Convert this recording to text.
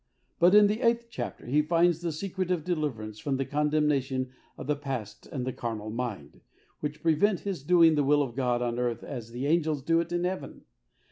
But in the eighth chapter he finds the secret of deliverance from the condemnation of the past and the carnal mind, which prevent his doing the will of God on earth as the angels do it in heaven.